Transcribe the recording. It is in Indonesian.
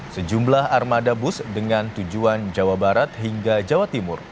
sejumlah armada bus dengan tujuan jawa barat hingga jawa timur